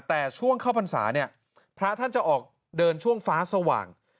แต่ช่วงเข้าพรรษาเนี่ยพระท่านจะออกเดินช่วงฟ้าสว่าง